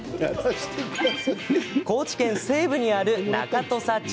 高知県西部にある中土佐町。